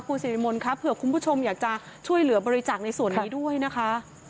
คุณสิริมนต์ค่ะเผื่อคุณผู้ชมอยากจะช่วยเหลือบริจาคในส่วนนี้ด้วยนะคะ